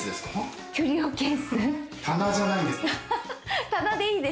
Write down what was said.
棚じゃないんですね。